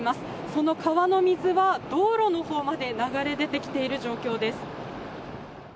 その川の水は道路のほうまで流れ出てきている状況です。